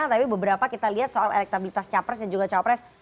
tapi beberapa kita lihat soal elektabilitas capres dan juga cawapres